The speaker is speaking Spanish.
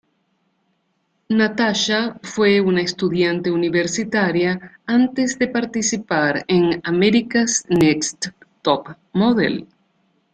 Natasha fue una estudiante universitaria antes de participar en America's Next Top Model.